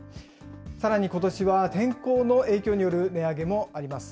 さらにことしは天候の影響による値上げもあります。